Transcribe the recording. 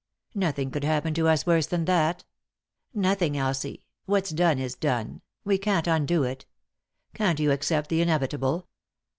Nothing could happen to us worse than that ; nothing. Elsie, what's done's done ; we can't undo it. Can't you accept the inevitable